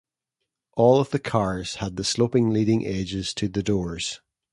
All of the cars had the sloping leading edges to the doors.